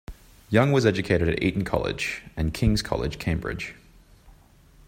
Young was educated at Eton College and King's College, Cambridge.